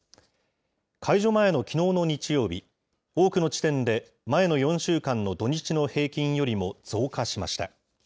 解除前のきのうの日曜日、多くの地点で前の４週間の土日の平均よりも増加しました。